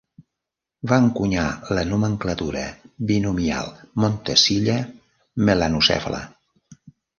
Va encunyar la nomenclatura binomial Montacilla melanocephala.